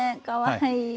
かわいい。